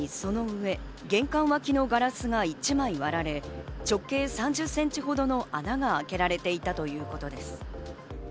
さらにその上、玄関脇のガラスが１枚割られ直径３０ｃｍほどの穴があけられていたということです。